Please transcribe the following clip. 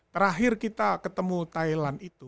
terakhir kita ketemu thailand itu